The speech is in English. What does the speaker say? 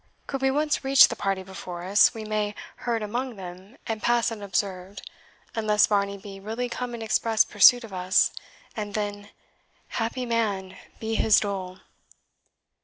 Could we once reach the party before us, we may herd among them, and pass unobserved, unless Varney be really come in express pursuit of us, and then, happy man be his dole!"